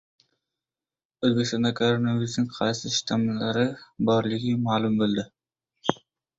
O‘zbekistonda koronavirusning qaysi shtammlari borligi ma’lum bo‘ldi